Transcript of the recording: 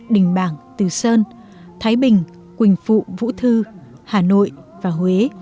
đình bảng từ sơn thái bình quỳnh phụ vũ thư hà nội và huế